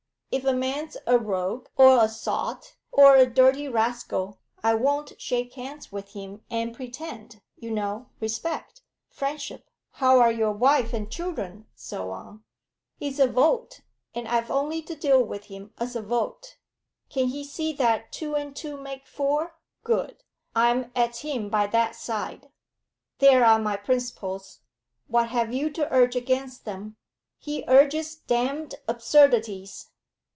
If a man's a rogue, or a sot, or a dirty rascal, I won't shake hands with him and pretend you know respect, friendship, how are your wife and children, so on. He's a vote, and I've only to deal with him as a vote. Can he see that two and two make four? Good; I'm at him by that side. There are my principles; what have you to urge against them? He urges damned absurdities.